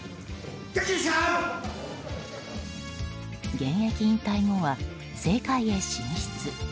現役引退後は政界へ進出。